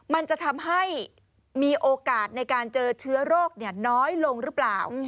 มันจะทำให้มีโอกาสในการเจอเชื้อโรคน้อยลงหรือเปล่า